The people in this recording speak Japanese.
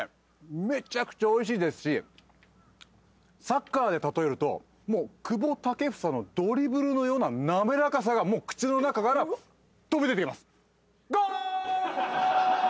めちゃくちゃおいしいですしサッカーで例えると久保建英のドリブルのような滑らかさが口の中から飛び出てきます。